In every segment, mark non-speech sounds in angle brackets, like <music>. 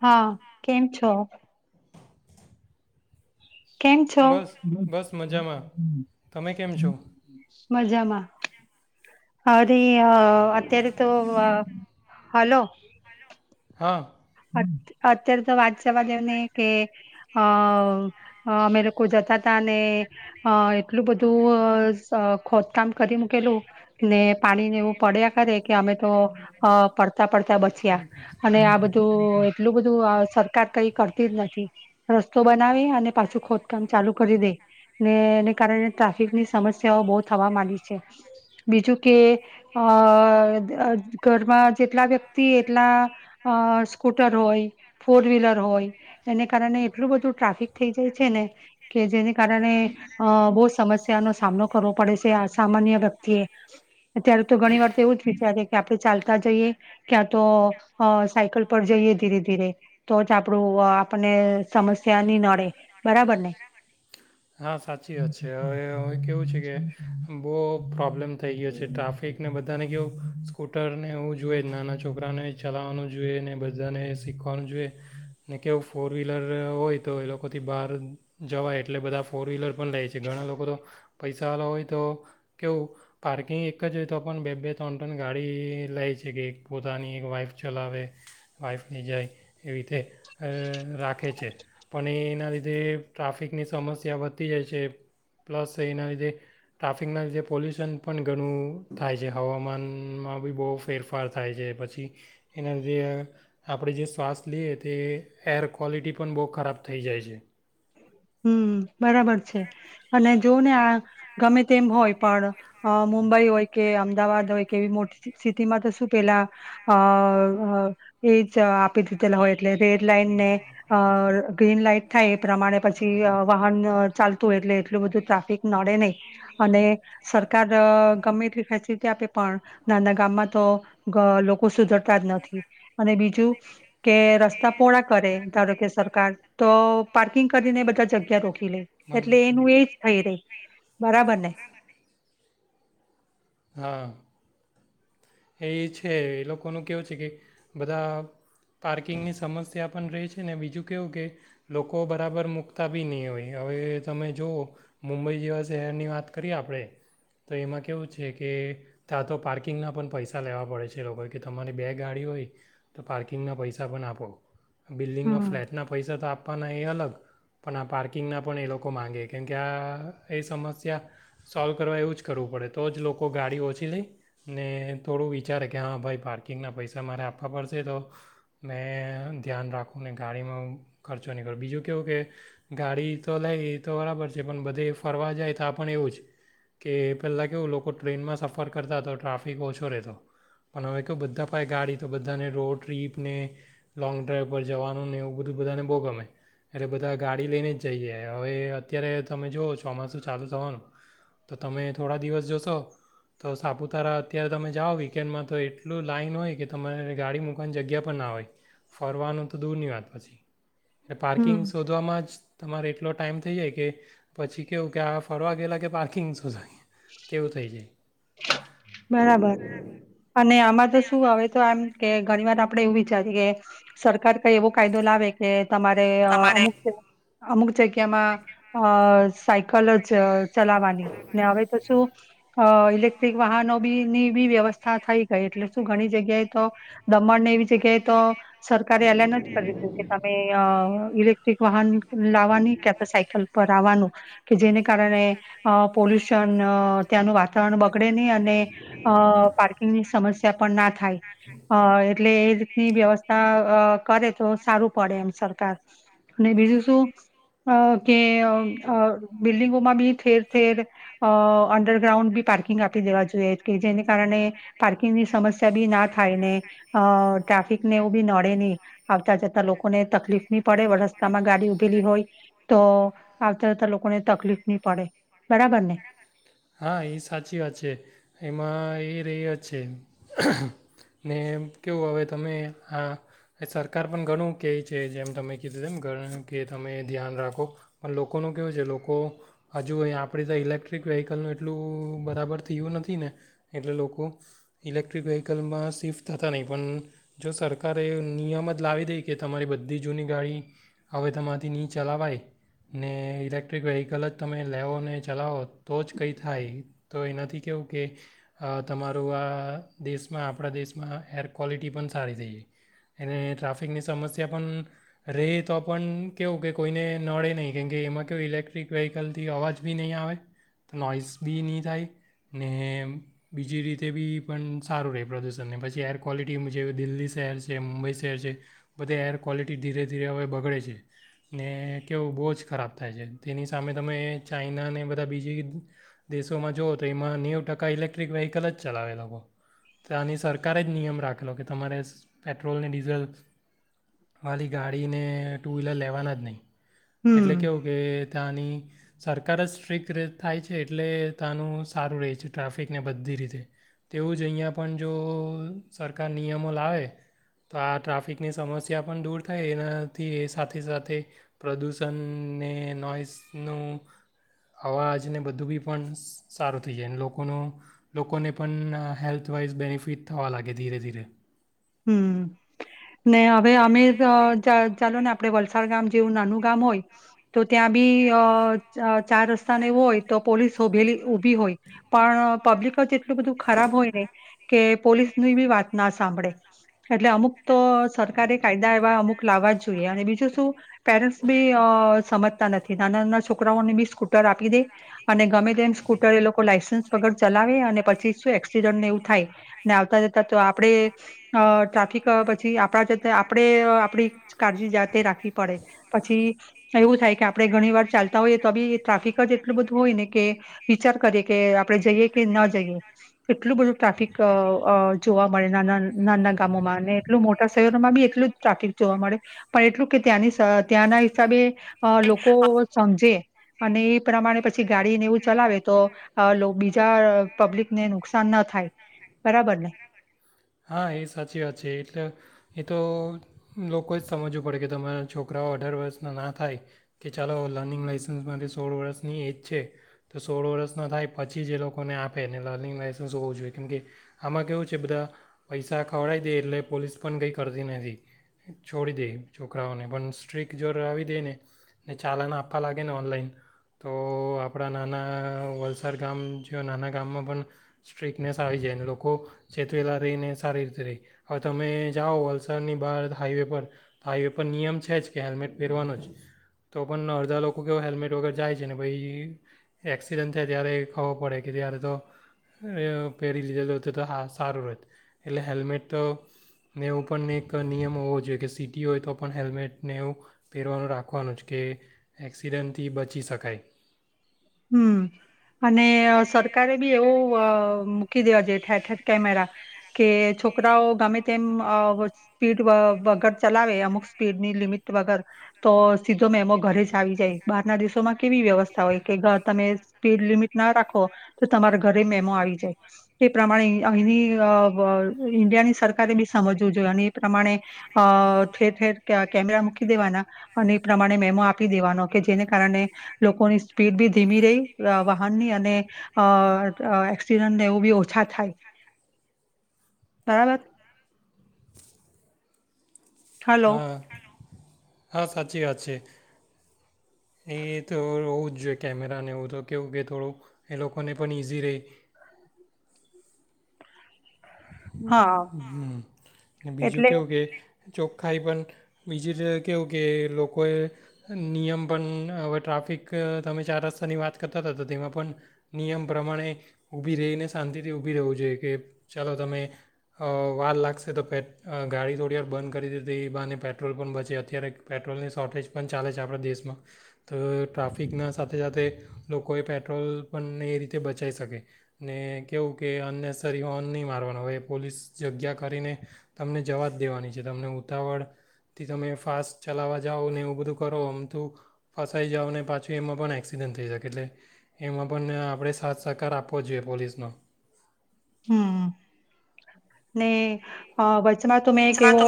હા કેમ છો? કેમ છો? બસ બસ મજામાં તમે કેમ છો મજામાં. હા. અ અત્યારે તો હલો. હા. અત્યારે તો વાત જવા દેવને કે અ અમે લોકો જતા તા ને અ એટલું બધું ખોદકામ ક--રી મૂકેલું ને પાણીને એવું પડ્યા કરે કે અમે તો પડ તા પડતા બચ્યા પોતાની પાસે અને જ. આ બધા એટલું બધું સરકાર કઈ કરતી જ નથી રસ્તો બનાવે અને પાછું ખોદકામ ચાલુ કરી દે ને એને કારણે ટ્રાફિક ની સમસ્યાઓ બહુ થવા માંડી છે બીજું કે અ ઘરમાં જેટલા વ્યક્તિ એટલા સ્કૂટર હોય ફોર વ્હીલર હોય એને કારણે એટલું બધું ટ્રાફિક થઈ જાય છે ને કે જેને કારણે બહુ સમસ્યાનોો સામનો કરવો પડે છે સામાન્ય વ્યક્તિ એ અત્યારે તો ઘણી વાર તો એવું જ વિચારી કે આપણે ચાલતા જઈએ ક્યાં તો સાયકલ ઉપર જઈએ ધીરે ધીરે તો જ આપડું આપને સમસ્યા નહી નડે બરાબર ને? હા સાચી વાત છે હવે હવે કેવું છે કે બહુ પ્રોબ્લેમ થઈ ગયો છે ટ્રાફિકને બધાને કેવું સ્કૂટર ને એવું જોઈએ નાના છોકરાને ચલાવવાનું જોઈએ ને બધાને શીખવાનું જોઈએ ને કેવું ફોર વ્હીલર હોય તો એ લોકોથી બહાર જવાય એટલે બધા ફોર વ્હીલર પણ લે છે ઘણા લોકો તો પૈસાવાલા હોય તો કેવું પાર્કિંગ એક જ હોય તો પણ બે બે ત્રણ ત્રણ ગાડી લે છે કે એક પોતાની એક વાઈફ ચલાવે વાઈફ નહી જાય એવી રીતે અ રાખે છે પણ એના લીધ જે ટ્રાફિકની સમસ્યા ત્યાં વધતી જાય છે પ્લસ એના લીધે ટ્રાફિકના લીધે પોલ્યુશન પણ ઘણું થાય છે હવામાનમાં બી બહુ ફેરફાર થાય છે પછી એના લીધે આપણે જે શ્વાસ લઈએ તે એર ક્વોલિટી પણ બહુ ખરાબ થઈ જાય છે. હમ બરાબર છે અને જોવ ને આ ગમે તેમ હોય પણ મુંબઈ હોય કે અમદાવાદ હોય કે એવી મોટી સિટીમાં તો શું પેલા અ એજ આપી દીધેલ હોય. એટલે રેડ લાઈન ને અ ગ્રીન લાઈટ થાય એ પ્રમાણે પછી આ વાહન ચાલતું હોય એટલે એટલું બધું ટ્રાફિક નડે નહીં અને સરકાર ગમે એટલી ફેસિલિટી આપે પણ નાના ગામમાં તો લોકો સુધ નથી અને બીજું કે રસ્તા પોળા કરે ધારો કે સરકાર તો પાર્કિંગ ને બધા જગ્યા રોકી લઈ મને એટલે એનું એજ થઈ રહી બરાબર ને હા. એ છે એ લોકોનું કેવું છે કે બધા પાર્કિંગની સમસ્યા પણ રહે છે ને બીજું કેવું કે લોકો બરાબર મૂકતા બી નહીં હોય હવે તમે જુઓ મુંબઈ જેવા શહેરની વાત કરીએ આપણે તો એમાં કેવું છે કે ત્યાં તો પાર્કિંગના પણ પૈસા લેવા પડે છે એ લોકો કે તમારી બે ગાડી હોય તો પાર્કિંગના પૈસા પણ આપો. બિલ્ડિંગના હમ ફ્લેટના પૈસા તો આપ આપવાના એ અલગ પણ આ પાર્કિંગના પણ એ લોકો માગે કેમકે આ એ સમસ્યા સોલ્વ કરવા એવું જ કરવું પડે તો જ લોકો ગાડી ઓછી લઈ ને થોડું વિચારે કે હા ભાઈ પાર્કિંગના પૈસા મારે આપવા પડશે તો મેં ધ્યાન રાખું ને ગાડીમાં ખર્ચો નહીં કરો બીજું કેવું કે ગાડી તો લઈ એ તો બરાબર છે પણ બધે ફરવા જાય તો પણ એવું જ કે પહેલાં કેવું લોકો ટ્રેનમાં સફર કરતા તો ટ્રાફિક ઓછો ઓછું રેતો. પણ હવે તો બધા પાય ગાડી તો બધાને રોડ ટ્રીપને લોંગ ડ્રાઈવ પર જવાનું ને એવું બધું બધાને બહુ ગમે એટલે બધા ગાડી લઈને જ જઈએ હવે અત્યારે તમે જુઓ ચોમાસું ચાલુ થવાનું તો તમે થોડા દિવસ જોશો તો સાપુતારા અત્યારે તમે જાઓ વીકેન્ડમાં તો એટલું લાઈન હોય કે તમારે ગાડી મૂકવાની જગ્યા પર ના હોય. ફરવાનું તો દૂર નની વાત પછી એટ હમ પાર્કિંગ શોધવામાં જ તમારે એટલો. ટાઈમ થઈ જાય કે પછી કેવું કે આ ફરવા ગેયલા કે પાર્કિંગ સુધવા ગિયા. તેવું થઈ જાય. <inaudible> બરાબર અને આમાં તો શું આવે તો એમ કે ઘણી વાર આપડે એવું વિચારીએ કે સરકાર કઈ એવો કાયદો લાવે કે. તમારે અમુક અમુક જગ્યામાં અ સાયકલ જ ચલાવાની ને હવે તો શું હા. ઇલેક્ટ્રિક વાહનો બી ની બી વ્યવસ્થા થઈ ગઈ એટલે શું ઘણી જગ્યાએ તો દમણને એવી જગ્યાએ તો સરકારે એલાન જ કરી દીધું કે તમે અ ઈલેક એક વાહન લાવવાની કે સાયકલ પર આવવાનું. કે જેને કારણે અ પોલ્યુશન ત્યાંનું વાતાવરણ બગડે ની અને અ પાર્કિંગની સમસ્યા પણ ના થાય એટલે અ એ રીતની વ્યવસ્થા કરે તો સારું પડે એમ સરકાર અને બીજું શું કે અ બિલ્ડિંગોમાં બી થેર થેર અ અંડરગ્રાઉન્ડ બી પાર્કિંગ આપી દેવા જોઈ કે જે કારણે પાર્કિંગની સમસ્યા બી ના થાય ને અ ટ્રાફિકને એવું બી નડે નહી આવતા જતા લોકોને તકલીફ નહી પડે રસ્તામાં ગાડી ઉભેલી હોય તો આવતા જતા લોકોને તકલીફ નહી પડે બરાબર ને. હા એ સાચી વાત છે એમાં એ રહહી્યો જ છે. <inaudible> ને કેવું હવે તમે આ સરકાર પણ ઘણું કહે છે જેમ તમે કીધું તેમમ કે તમે ધ્યાન રાખો પણ લોકોનું કેવું છે લોકો હજુ આપણે તો ઇલેક્ટ્રિક વ્હીકલનું એટલું બરાબર થયું નથી ને એટલે લોકો ઇલેક્ટ્રિક વ્હીકલમાં શિફ્ટ થતા નહીં પણ જો સરકારે નિયમ જ લાવી દઈ કે તમારી બધી જૂની ગાડી હવે તમાથી નહીં ચલાવાય ને ઇલેક્ટ્રિક વ્હીકલ જ તમે લેવ ને ચલાવો તો જ કંઈ થાય તો એનાથી કેવું કે તમારું આ. દેશમાં આપણા દેશમાં એર ક્વોલિટી પણ સારી થઈ છે અને ટ્રાફિકની સમસ્યા પણ રે તો પણ કેવું કે કોઈને નડે નહીં કેમ કે એમાં કે ઇલેક્ટ્રિક વ્હીકલથી અવાજ બી નહીં આવે તો નોઈસ બી નહીં થાય ને બીજી રીતે બી પણ સારું રહે પ્રદૂષણને પછી એર ક્વૉલિટી જે દિલ્હી શહેર છે મુંબઈ શહેર છે બધે એર ક્વૉલિટી ધીરે ધીરે હવે બગડે છે ને કેવું બહુ જ ખરાબ થાય છે તેની સામે તમે ચાાઈનાને બધા બીજી દેશોમાં જુઓ તો એમાં નેવું ટકા ઇલેક્ટ્રિક વ્હીકલ જ ચલાવેલો હો. ત્યાંની સરકારે જ નિયમ રાખે ખલો કે તમારે પેટ્રોલ ને ડીઝલ વાળી ગાડીને ટુ વ્હીલર લેવાના જ નહીં. એટલે હમ. કેવું કે ત્યાંની સરકાર જ સ્ટ્રિક રેય થાય છે એટલે તનું સારું રહે છે ટ્રાફિકને બધી રીતે. તેવું જ અહીંયા પણ જો સરકાર નિયમો લાવે તો આ ટ્રાફિકની સમસ્યા પણ દૂર થાય એનાથી એ સાથે સાથે પ્રદૂષણને નોઈસનું અવાજને બધું બી પણ સારું થઈ જાય લોકોનું લોકોને પણ પણ હેલ્થવાઈઝ બેનિફિટ થવા લાગે ધીરે ધીરે. હમ્મ. ને હવે અમે અ ચાલ ચાલો ને આપ આપડે વલસાડ ગામ જેવું નાનું ગામ હોય તો ત્યાં બી અ ચાર રસ્તા ને હોય તો પોલીસોભેલી ઉભી હોય પણ પબ્લિકો જે એટલું બધું ખરાબ હોય ને કે પોલીસ ની બી વાત ના સાંભળે. એટલે અમુક તો સરકારે કાયદા એવા અમુક લાવવા જ જોઈએ અને બીજું શું પેરેન્ટસ બી અ સમજતા નથી. કે નાના ના છોકરાઓને બી સ્કૂ સ્કૂટર આપી દે અને ગમે તેમ સ્કૂટર એ લોકો લાઇસન્સ વગર ચલાવે અને પછી શું એક્સિડન્ટને એવું થાય ને આવતા જતા તો આપણેે અ ટ્રાફિક પછી આપણા જ આપણે આપણી કાળજી જાતે રાખવી પડે પછી એવું થાય કે આપણે ઘણી વાર ચાલતા હોઈએ તો બી ટ્રાફિક જ એટલું બધું હોય ને કે વિચાર કરીએ કે આપણે જઈએ કે ન જઈએ એટલું બધું ટ્રાફિક અ જોવા મળે નાના ના ના ગામોમાં એટલું મોટા. શહેરોમાં બી એટલું જ ટ્રાફિક જોવા મળે પણ એટલું કે ત્યાંની ત્યાંના હિસાબે લોકો સમજે અને એ પ્રમાણે પછી ગાડીને એવું ચલાવે તો બીજા પબ્લિકને નુકસાન ન થાય બરાબર ને? હા એ સાચી વાત છે એટલે એ તો લોકો જ સમજવું પડે કે તમારા છોકરાઓ અઢાર વર્ષના ના થાય કે ચાલો લર્નિંગ લાઇસન્સ માટે સોળ વર્ષની એજ છે તો સોળ વર્ષના થાય પછી જ એ લોકોને આપે એ લર્નિંગ લાઇસન્સ હોવું જોઈએ કેમકે આમાં કેવું છે બધા. પૈસા ખવડાવી દે એટલે પોલીસ પણ કંઈ કરતી નથી છોડી દે છોકરાઓને પણ સ્ટ્રીક જો રાવી દે ને ને ચાલન આપવા લાગે ને ઓનલાઈન તો આપણા નાના વલસાડ ગામ જેવા નાના ગામમાં પણ સ્ટ્રીકનેસ આવી જાયને લોકો ચેતવેલા રહીને. સારી રીતે રહી હવે તમે જાઓ વલસાડની બહાર હાઈવે પર તો હાઈવે પર નિયમ છે જ કે હેલ્મેટ પહેરવાનો જ તો પણ અડધા લોકો કે હેલ્મેટ વગર જાય છે ને ભાઈ એક્સિડન્ટ થાય ત્યારે ખબર પડે કે ત્યારે તો પહેરી લીધેલ હો તો તોા સારું રહેત. એટલે હેલ્મેટને એવું પણ એક નિયમ હોવો જોઈએ કે સીટી હોય તો પણ હેલ્મેટને એવું પહેરવાનું રાખવાનું જ કે એક્સિડન્ટથી બચી શકાય. હમ અને સરકારે બી એવું મૂકી દેવા છે ઠેર ઠેર કેમેરા કે છોકરાઓ ગમે તેમ સ્પીડ વગર ચલાવે અમુક સ્પીડની લિમિટ વગર તો સીધો મેમો ઘરે જ આવી જાય બાર દેશોમાં કેવી વ્યવસ્થા હોય. કે તમે સ્પીડ લિમિટ ના રાખો તો તમારા ઘરે મેમો આવી જાય એ પ્રમાણે અહીની ઈન્ડિયાની સરકારે બી સમજવું જોઈએ અને એ પ્રમાણે અ ઠેર ઠેર કેમેરા મૂકી દેવાના અને એ પ્રમાણે મેમો આપી દેવાનો કે જેને કારણે લોકોની. સ્પીડ ભી ધીમી રહી વાહનની અને અ એક્સિડન્ટને એવું બી ઓછા થાય બરાબર. હલો હા. હા સાચી વાત છે એ તો હોવું જ જોઈએ કેમેરાને એવું તો કેવું કે થોડું એ લોકોને પણ ઈઝી રેય. હા હમ બીજું એટલે કેવું કે. ચોખ્ખાઈ પણ બીજી રીતે કેવું કે લોકોએ નિયમ પણ હવે ટ્રાફિક તમે ચાર રસ્તાની વાત કરતા હતા તો તેમાં પણ નિયમ પ્રમાણે ઊભી રહીને શાંતિથી ઊભી રહેવું જોઈએ કે. ચાલો તમે અ વાર લાગશે તો પે ગાડી થોડી વાર બંધ કરી દીધ એ બાને પેટ્રોલ પણ બચે અત્યારે પેટ્રોલની શોર્ટેજ પણ ચાલે છે આપણા દેશમાં તો ટ્રાફિકના સાથે સાથે લોકોએ પેટ્રોલ પણ એ રીતે બચાવી શકે ને કેવું કે અનનેસસરી ઓન. નહી મારવાનું હવે પોલીસ જગ્યા કરીને તમને જવા દેવાની છે તમને ઉતાવળ. થી તમે ફાસ્ટ ચલાવા. જાઓ ને એવું બધું કરો અમ તું ફસાઈ જાઓ ને પાછું એમાં પણ એક્સિડન્ટ થઈ શકે એટલે એમાં પન ને આપણે સાત તત્કાર આપવો જોઈએ પોલીસનો. હમ્મ. ને આહ વ ચમાં તો મેં એક એવો,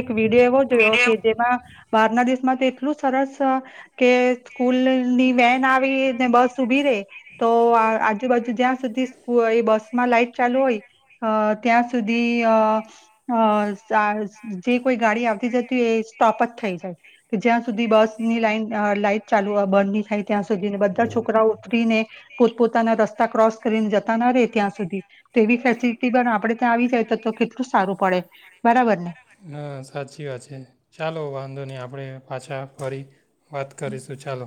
એક વિડિયો એવો જોયો કે જેમાં બહાર ના દેશમાં તો એટલું સરસ અહ કે સ્કૂલની વેન આવી ને બસ ઉભી રે તો આ આજુબાજુ જ્યાં સુધી એ બસ માં લાઈટ ચાલુ હોય અહ ત્યાં સુધી અહ-અહ સાસ જે કોઈ ગાડી આવતી જતી હોય એ સ્ટોપ જ થઈ જાય. કે જ્યાં સુધી બસની લાઈન અહ લાઈટ ચાલુ બંધની થાય ત્યાં સુધી બધા છોકરાઓ ઉતરીને પોત પોતાના રસ્તા ક્રોસ કરીને જતા ના રહે ત્યાં સુધી. તેવી ફેસિલટી પણ આપડે ત્યાં આવી જાય તો-તો કેટલું સારું પડે, બરાબર ને? હા સાચી વાત છે ચાલો વાંધો નહીં આપણે પાછા ફરી વાત કરીશું ચાલો.